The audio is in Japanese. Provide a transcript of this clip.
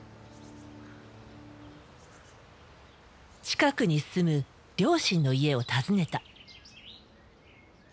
近くに住む両親の家を訪ねた。